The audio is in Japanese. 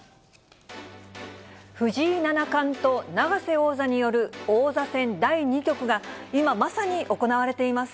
藤井七冠と永瀬王座による王座戦第２局が、今まさに行われています。